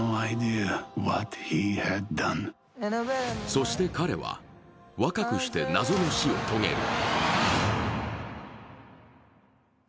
そして彼は若くして謎の死を遂げる。